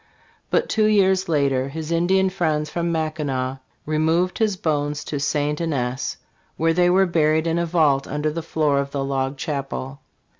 But two years later his Indian friends from Mackinac removed his bones to St. Ignace, where they were buried in a vault under the floor of the log chapel.